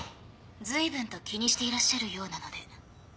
ずいぶんと気にしていらっしゃるようなので。